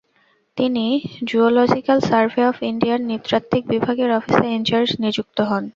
তিনি Zoological Survey of ইন্ডিয়ার নৃতাত্ত্বিক বিভাগে অফিসার ইনচার্জ নিযুক্ত হন।